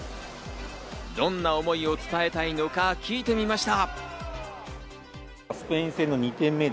どんな思いを伝えたいのか、聞いてみました。